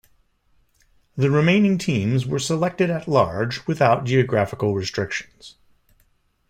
The remaining teams were selected at-large without geographical restrictions.